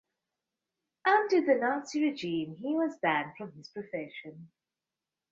Under the Nazi Regime, he was banned from his profession.